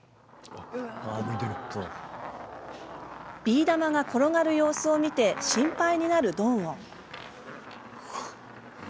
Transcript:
ビー玉が転がる様子を見て心配になるドンウォン。